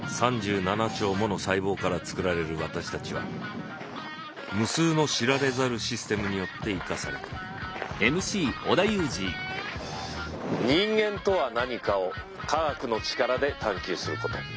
３７兆もの細胞から作られる私たちは無数の知られざるシステムによって生かされている人間とは何かを科学の力で探求すること。